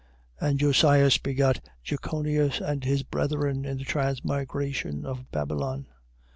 1:11. And Josias begot Jechonias and his brethren in the transmigration of Babylon.